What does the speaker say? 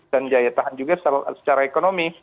dan daya tahan juga secara ekonomi